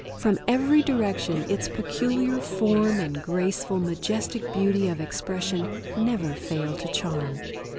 From every direction its peculiar form and graceful, majestic beauty of expression never fail to charm.